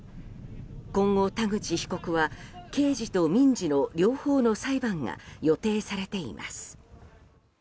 今後、田口被告は刑事と民事の両方の裁判が予定されています。